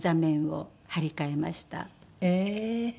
ええー！